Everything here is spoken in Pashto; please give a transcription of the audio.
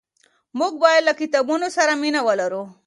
موږ باید له کتابونو سره مینه ولرو.